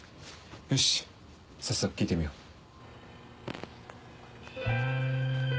よし早速聴いてみよう。